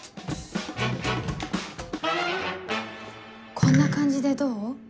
こんな感じでどう？